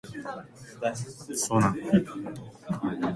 花がばらばらに散ること。転じて、物が乱雑に散らばっていること。